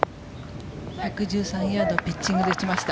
１１３ヤードピッチングで打ちました。